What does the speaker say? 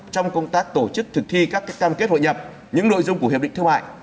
trong công tác tổ chức thực thi các cam kết hội nhập những nội dung của hiệp định thương mại